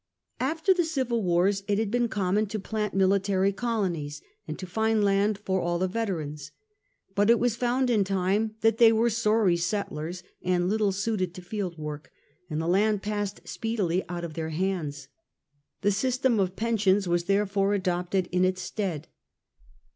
After the civil wars it had been common to plant military colonies, and to find land for all the veterans. But it was found in time that they were sorry settlers and little suited to fieldwork, and the land passed and missio Speedily out of their hands. The system of honesta. pensions was, therefore, adopted in its stead.